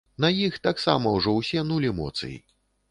На іх таксама ўжо ўсе нуль эмоцый.